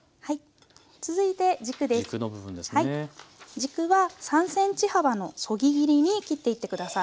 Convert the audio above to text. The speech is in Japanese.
軸は３ｃｍ幅のそぎ切りに切っていって下さい。